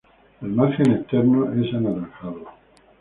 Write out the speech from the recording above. Margen externo es anaranjado.